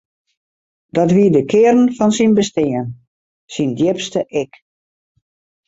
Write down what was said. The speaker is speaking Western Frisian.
Dat wie de kearn fan syn bestean, syn djipste ik.